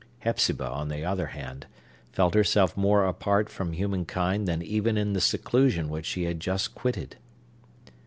Hepzibah, on the other hand, felt herself more apart from human kind than even in the seclusion which she had just quitted.